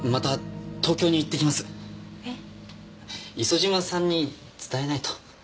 磯島さんに伝えないと。